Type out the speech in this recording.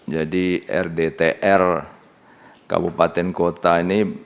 jadi rdtr kabupaten kota ini